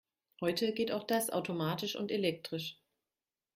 Heute geht auch das automatisch und elektrisch.